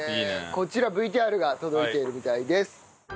こちらＶＴＲが届いているみたいです。